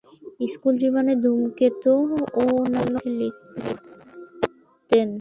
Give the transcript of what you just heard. School জীবনেই ‘ধূমকেতু’ ও অন্যান্য কাগজে লিখতেন।